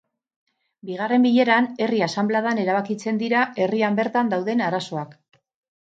Bigarren bileran herri asanbladan erabakitzen dira herrian bertan dauden arazoak.